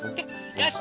よし！